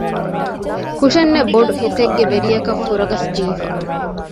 ކުށެއްނެތް ބޮޑު ހިތެއްގެ ވެރިޔަކަށް ފުރަގަސް ދީފަ